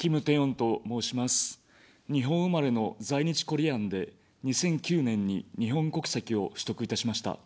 日本生まれの在日コリアンで２００９年に日本国籍を取得いたしました。